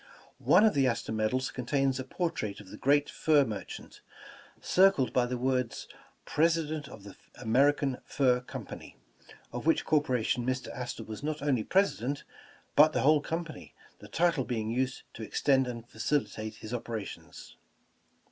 One of the Astor medals contains a portrait of the great fur mer chant, circled by the words, "President of the Ameri can Fur Company," of which corporation Mr. Astor was not only President, but the whole company, the title being used to extend and facilitate his operations.